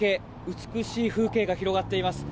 美しい風景が広がっています。